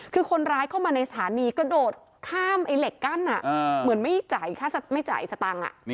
คือคนร้ายเข้ามาในสถานีกระโดดข้ามไอ้เหล็กกั้นเหมือนไม่จ่ายไม่จ่ายสตังค์